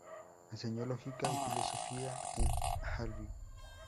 Enseñó lógica y filosofía en Albi.